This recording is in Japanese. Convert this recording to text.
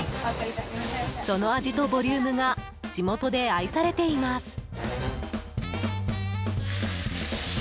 その味とボリュームが地元で愛されています。